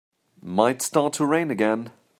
Might start to rain again.